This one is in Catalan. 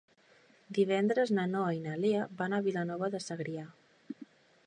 Divendres na Noa i na Lea van a Vilanova de Segrià.